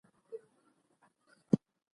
دا عادتونه ورځنی ژوند اسانه کوي.